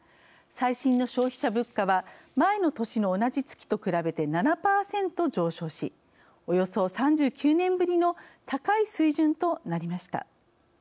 最新の消費者物価は前の年の同じ月と比べて７％上昇しおよそ３９年ぶりの高い水準となりました。